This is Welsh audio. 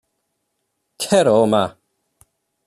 Cer o 'ma.